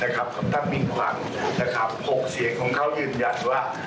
กับท่านมิ่งขวัญ๖เสียงของเขายืนยันว่า